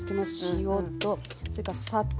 塩とそれから砂糖。